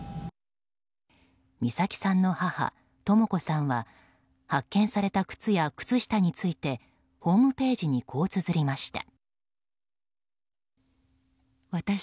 美咲さんの母・とも子さんは発見された靴や靴下についてホームページにこうつづりました。